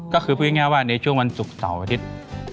ก็คือพูดง่ายว่าในช่วงวันศุกร์เสาร์อาทิตย์